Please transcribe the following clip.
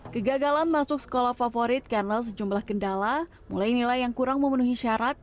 kegagalan masuk sekolah favorit karena sejumlah kendala mulai nilai yang kurang memenuhi syarat